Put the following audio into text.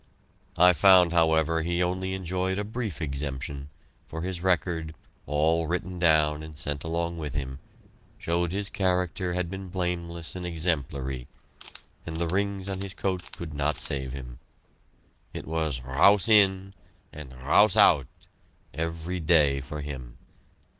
I found, however, he only enjoyed a brief exemption, for his record, all written down and sent along with him, showed his character had been blameless and exemplary, and the rings on his coat could not save him. It was "Raus in!" and "Raus out!" every day for him!